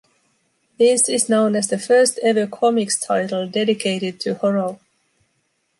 This is known as the first-ever comics title dedicated to horror.